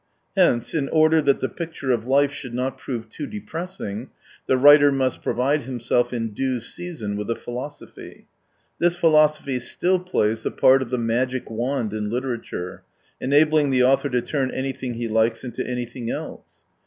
Hence, in order that the picture of life should not prove too depressing, the writer must provide himself in due season with a philosophy. This philosophy still plays tlie part of the magic wand in literature, enabling the author to turn anything he likes into anything else.